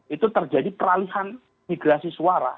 itu terjadi peralihan migrasi suara